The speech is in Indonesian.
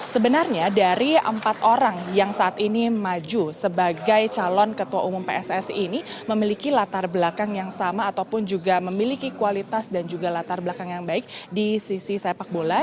sebenarnya dari empat orang yang saat ini maju sebagai calon ketua umum pssi ini memiliki latar belakang yang sama ataupun juga memiliki kualitas dan juga latar belakang yang baik di sisi sepak bola